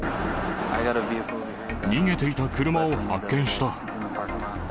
逃げていた車を発見した。